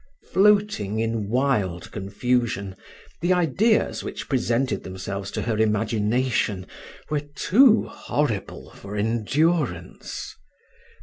Floating in wild confusion, the ideas which presented themselves to her imagination were too horrible for endurance.